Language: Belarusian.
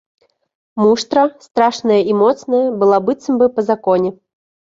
Муштра, страшная і моцная, была быццам бы па законе.